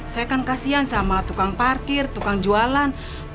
saya kan kasian sama tukang parkir tukang jualan